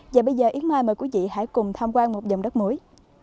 và bây giờ yến mai mời quý vị hãy cùng tham quan một dòng đất mũi